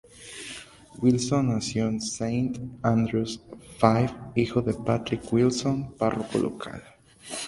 Wilson nació en Saint Andrews, Fife, hijo de Patrick Wilson, párroco local.